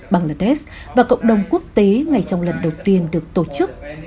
bangladesh và cộng đồng quốc tế ngay trong lần đầu tiên được tổ chức